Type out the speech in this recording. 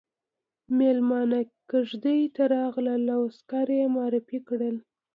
ميلمانه کېږدۍ ته راغلل او عسکره يې معرفي کړه.